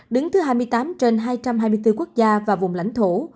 đứng thứ hai mươi tám trên hai trăm hai mươi bốn quốc gia và vùng lãnh thổ